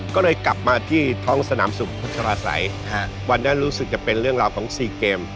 ก็เลยกลับมาที่ท้องสนามสุขพัชราศัยวันนั้นรู้สึกจะเป็นเรื่องราวของ๔เกม